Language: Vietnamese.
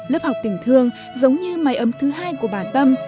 lớp học tình thương giống như máy ấm thứ hai của bà tâm